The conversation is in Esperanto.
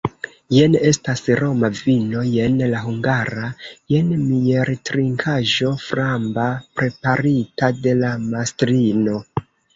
Jen estas roma vino, jen la hungara, jen mieltrinkaĵo framba, preparita de la mastrino!